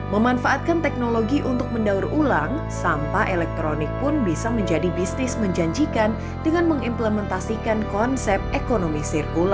memanfaatkan teknologi untuk mendaur ulang sampah elektronik pun bisa menjadi bisnis menjanjikan dengan mengimplementasikan konsep ekonomi sirkulasi